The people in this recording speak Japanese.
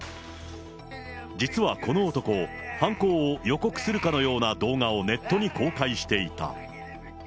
実はこの男、犯行を予告するかのような動画をネットに公開していた。